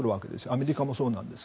アメリカもそうなんです。